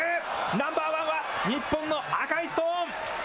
ナンバーワンは日本の赤いストーン。